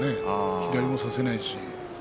左を差せないし。